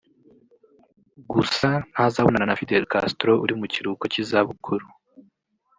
gusa ntazabonana na Fidel Castro uri mu kiruhuko cy’izabukuru